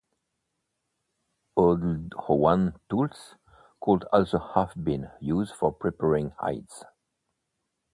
Oldowan tools could also have been used for preparing hides.